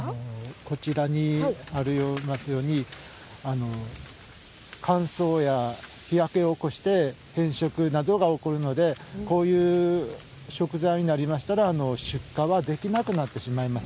こちらにありますように乾燥や日焼けを起こして変色などが起こるのでこういう食材になりましたら出荷はできなくなってしまいます。